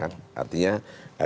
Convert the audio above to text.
artinya ada partai yang menurut kita